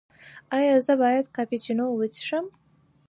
ایا زه باید کاپوچینو وڅښم؟